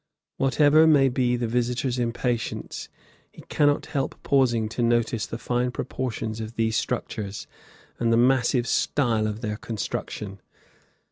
Whatever may be the visitor's impatience, he cannot help pausing to notice the fine proportions of these structures, and the massive style of their construction.